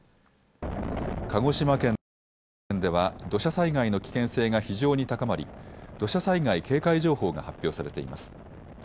鹿児島県と宮崎県では土砂災害の危険性が非常に高まり土砂災害警戒情報が発表されています。